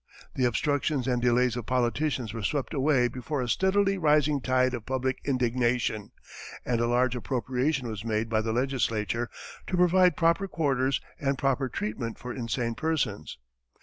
The obstructions and delays of politicians were swept away before a steadily rising tide of public indignation, and a large appropriation was made by the legislature to provide proper quarters and proper treatment for insane persons.